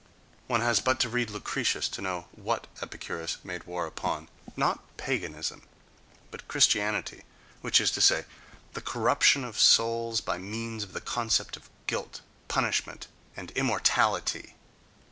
One has but to read Lucretius to know what Epicurus made war upon—not paganism, but "Christianity," which is to say, the corruption of souls by means of the concepts of guilt, punishment and immortality.